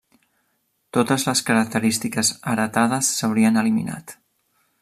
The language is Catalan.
Totes les característiques heretades s'haurien eliminat.